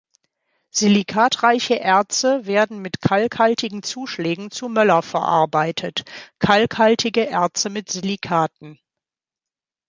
Silikatreiche Erze werden mit kalkhaltigen Zuschlägen zu Möller verarbeitet, kalkhaltige Erze mit Silikaten.